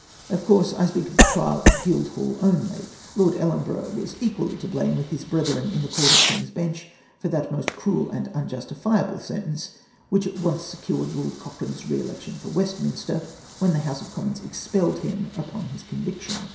Of course, I speak of the trial at Guildhall only. Lord Ellen borough was equally to blame with his brethern in the Court of King's Bench for that most cruel and unjustifiable sentence, which at once secured Lord Cochrane's re election for West minister when the House of Commons expelled him upon his conviction.